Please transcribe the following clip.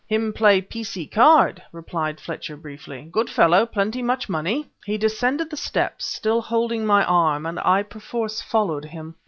"Him play piecee card," replied Fletcher briefly. "Good fellow, plenty much money." He descended the steps, still holding my arm, and I perforce followed him.